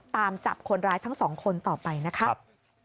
ตามจับคนร้ายทั้งสองคนต่อไปนะครับ